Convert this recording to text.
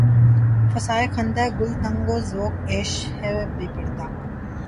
فضائے خندۂ گل تنگ و ذوق عیش بے پردا